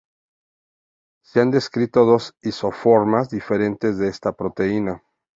Se han descrito dos isoformas diferentes de esta proteína.